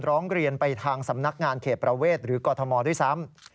ร้องเรียนไปทางสำนักงานเขตประเวทหรือกรทมด้วยซ้ำ